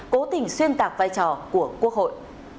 cố tình xuyên tạc vai trò của quốc hội